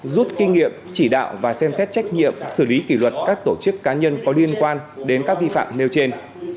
rút kinh nghiệm chỉ đạo và xem xét trách nhiệm xử lý kỷ luật các tổ chức cá nhân có liên quan đến các vi phạm nêu trên